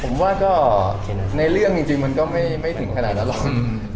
ผมว่าก็ในเรื่องจริงมันก็ไม่ถึงขนาดนั้นหรอก